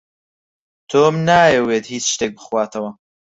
تۆم نایەوێت هێچ شتێک بخواتەوە.